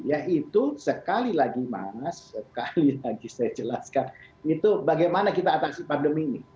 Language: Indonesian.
yaitu sekali lagi mas sekali lagi saya jelaskan itu bagaimana kita atasi pandemi ini